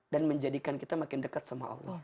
dan menjadikan kita makin dekat sama allah